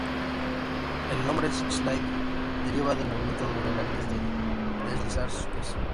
El nombre slide deriva del movimiento de los bailarines al deslizar sus pies.